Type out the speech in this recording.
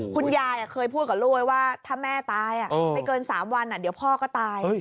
คุณยายเคยพูดกับลูกไว้ว่าถ้าแม่ตายไม่เกิน๓วันเดี๋ยวพ่อก็ตาย